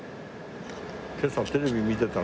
今朝テレビ見てたらさ。